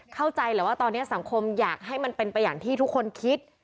เข้าใจแหละว่าตอนนี้สังคมอยากให้มันเป็นไปอย่างที่ทุกคนคิด